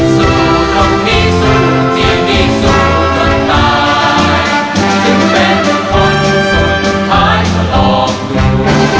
สู้ตรงที่สู้เพียงที่สู้จนตายจะเป็นคนสุดท้ายทะลอบหนู